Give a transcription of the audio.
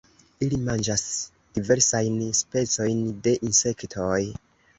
Ili manĝas diversajn specojn de insektoj.